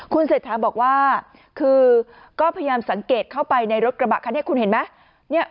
คุณเศรษฐาบอกว่าคือก็พยายามสังเกตเข้าไปในรถกระบะคันนี้คุณเห็นไหม